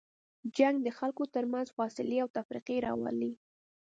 جنګ د خلکو تر منځ فاصله او تفرقې راولي.